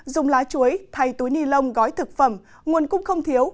dùng lá chuối thay túi ni lông gói thực phẩm nguồn cung không thiếu